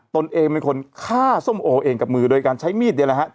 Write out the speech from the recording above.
ตนเองเป็นคนฆ่าส้มโอเองกับมือโดยการใช้มีดเนี่ยนะครับ